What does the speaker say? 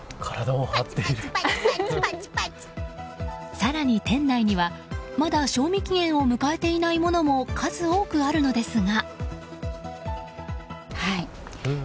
更に、店内にはまだ賞味期限を迎えていないものも数多くあるのですが。